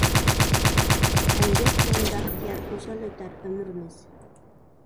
ئەمگەك بىلەن بەختىيار، خۇشال ئۆتەر ئۆمرىمىز.